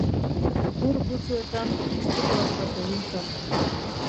ur putzuetan plisti-plasta zebiltzan.